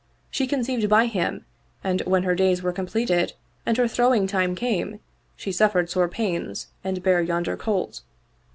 She conceived by him and when her days were completed and her throwing time came she suffered sore pains and bare yonder colt.